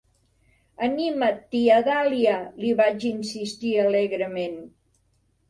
"Anima't, tia Dahlia", li vaig insistir alegrement.